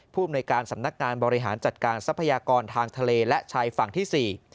ภูมิในการสำนักงานบริหารจัดการทรัพยากรทางทะเลและชายฝั่งที่๔